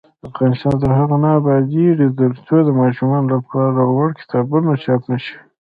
افغانستان تر هغو نه ابادیږي، ترڅو د ماشومانو لپاره وړ کتابونه چاپ نشي.